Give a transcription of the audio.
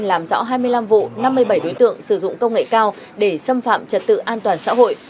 làm rõ hai mươi năm vụ năm mươi bảy đối tượng sử dụng công nghệ cao để xâm phạm trật tự an toàn xã hội